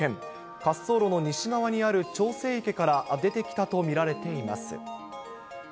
滑走路の西側にある調整池から出てきたと見られています。